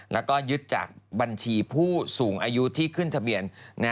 แล้วก็ยึดจากบัญชีผู้สูงอายุที่ขึ้นทะเบียน